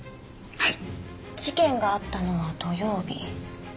はい。